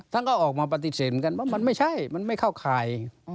ท่านก็ออกมาปฏิเสธกันว่ามันไม่ใช่มันไม่เข้าข่าย